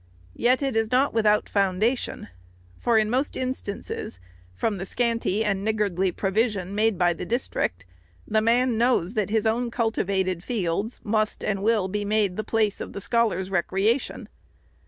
Yet it is not without foundation ; for in most instances, from the scanty and niggardly provision made by the district, the man knows that his own cultivated fields must and will be made the place of the scholars' recreation.